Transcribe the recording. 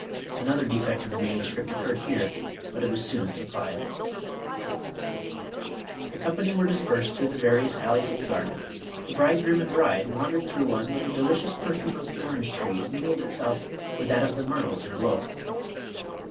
(Another defect in the manuscript occurred here, but it was soon supplied.) ••••• The company were dispersed through various alleys of the garden; the bridegroom and bride wandered through one where the delicious perfume of the orange trees min gled itself with that of the myrtles in blow.